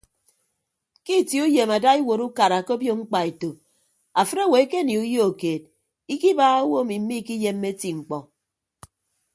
Ke itie uyem ada iwuot ukara ke obio mkpaeto afịt owo ekenie uyo keed ikibaaha owo emi miikiyemme eti mkpọ.